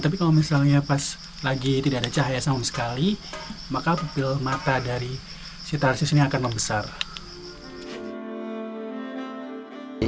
tapi kalau misalnya pas lagi tidak ada cahaya sama sekali maka pipil mata dari si tarsis ini akan membesar